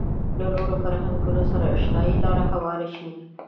له نورو فرهنګونو سره د اشنايي لاره هواره شي.